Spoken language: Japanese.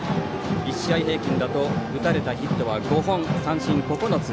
１試合平均だと打たれたヒットは５本三振９つ。